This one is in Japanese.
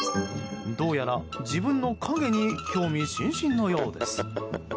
どうやら自分の影に興味津々のようです。